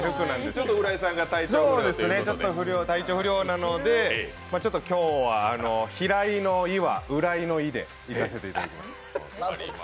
ちょっと浦井が体調不良なので、今日は平井の「井」は浦井の「井」でいかせていただこうと。